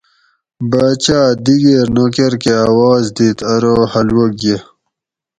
باۤچاۤ اۤ دیگیر نوکر کہۤ اواز دِت ارو حلوہ گیہ